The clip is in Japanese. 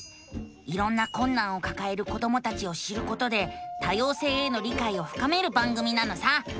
いろんなこんなんをかかえる子どもたちを知ることで多様性への理解をふかめる番組なのさ！